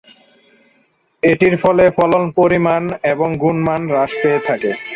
এটির ফলে ফলন পরিমাণ এবং গুণমান হ্রাস পেয়ে থাকে।